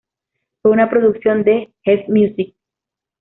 Fue una producción de Gestmusic.